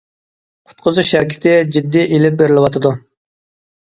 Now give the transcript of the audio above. قۇتقۇزۇش ھەرىكىتى جىددىي ئېلىپ بېرىلىۋاتىدۇ.